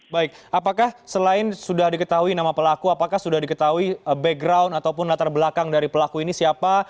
baik apakah selain sudah diketahui nama pelaku apakah sudah diketahui background ataupun latar belakang dari pelaku ini siapa